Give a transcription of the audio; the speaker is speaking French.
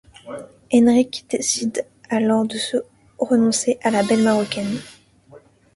Henrik décide alors de renoncer à la belle Marocaine.